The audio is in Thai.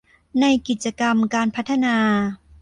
ในกิจกรรมการพัฒนา